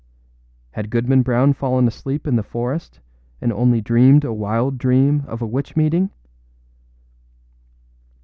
Had Goodman Brown fallen asleep in the forest and only dreamed a wild dream of a witch meeting?